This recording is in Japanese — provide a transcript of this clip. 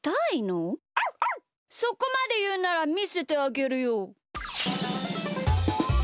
そこまでいうならみせてあげるよ。